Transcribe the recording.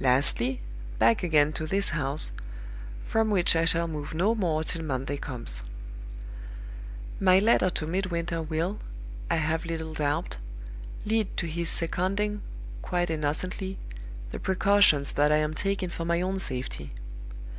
Lastly, back again to this house from which I shall move no more till Monday comes. "My letter to Midwinter will, I have little doubt, lead to his seconding (quite innocently) the precautions that I am taking for my own safety.